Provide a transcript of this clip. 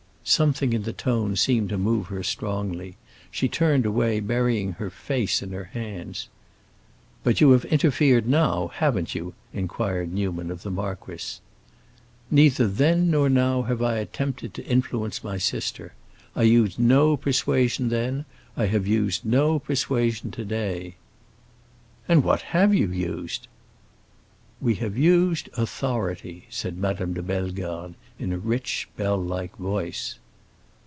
Something in the tone seemed to move her strongly. She turned away, burying her face in her hands. "But you have interfered now, haven't you?" inquired Newman of the marquis. "Neither then nor now have I attempted to influence my sister. I used no persuasion then, I have used no persuasion to day." "And what have you used?" "We have used authority," said Madame de Bellegarde in a rich, bell like voice.